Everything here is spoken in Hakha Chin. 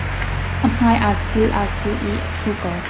A hmai aa sil aa sil i a ṭhu ko.